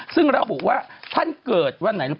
ซึ่งระบุว่าท่านเกิดวันไหน